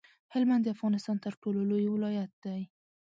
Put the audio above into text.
هلمند د افغانستان تر ټولو لوی ولایت دی.